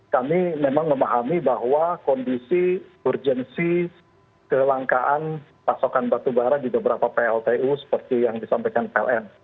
kami memang memahami bahwa kondisi urgensi kelangkaan pasokan batubara di beberapa pltu seperti yang disampaikan pln